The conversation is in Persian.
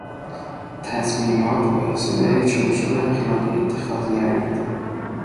تصمیمات بایستی در یک چارچوب اخلاقی اتخاذ گردند.